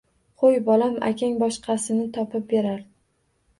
Qo‘y, bolam, akang boshqasini topib berar.